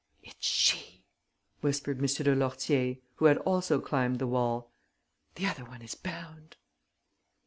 "It's she," whispered M. de Lourtier, who had also climbed the wall. "The other one is bound."